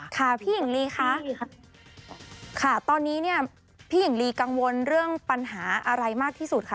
ค่ะพี่หญิงลีคะค่ะตอนนี้เนี่ยพี่หญิงลีกังวลเรื่องปัญหาอะไรมากที่สุดคะ